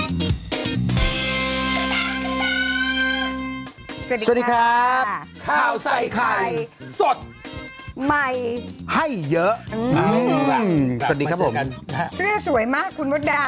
สวัสดีครับข้าวใส่ไข่สดใหม่ให้เยอะสวัสดีครับผมเรื่องสวยมากคุณมดดำ